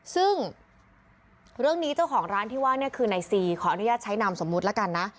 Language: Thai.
ซึ่งเรื่องนี้เจ้าของร้านที่ว่าเนี่ยคือในซีขออนุญาตใช้นามสมมุติแล้วกันนะ